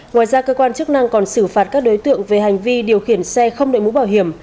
ngoài ra cơ quan chức năng còn xử phạt các đối tượng về hành vi điều khiển xe không đợi mũ bảo hiểm